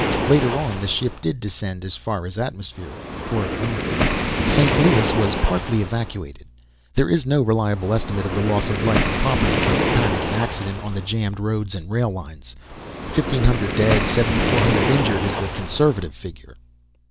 Later on the ship did descend as far as atmosphere, for a moment ... St. Louis was partly evacuated. There is no reliable estimate of the loss of life and property from panic and accident on the jammed roads and rail lines. 1500 dead, 7400 injured is the conservative figure.